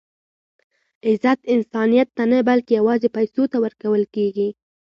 عزت انسانیت ته نه؛ بلکي یوازي پېسو ته ورکول کېږي.